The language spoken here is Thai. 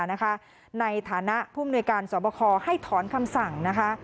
ในฐานะภูมิในการสอบคอให้ถอนคำสั่ง